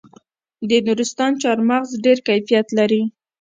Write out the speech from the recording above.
د نورستان چهارمغز ډیر کیفیت لري.